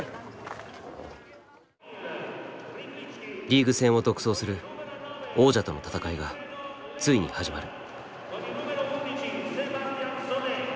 リーグ戦を独走する王者との戦いがついに始まる。